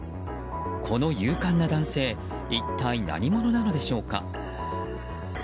この勇敢な男性一体何者なのでしょうか。